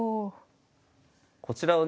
こちらをね